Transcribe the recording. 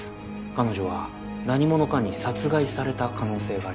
彼女は何者かに殺害された可能性があります。